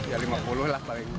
ya lima puluh lah paling